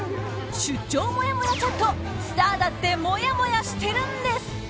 出張もやもやチャットスターだってもやもやしてるんです！